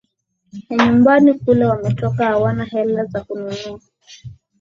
na nyumbani kule wametoka hawana hela za kununua